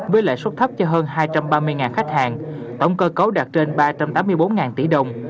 với lãi suất thấp cho hơn hai trăm ba mươi khách hàng tổng cơ cấu đạt trên ba trăm tám mươi bốn tỷ đồng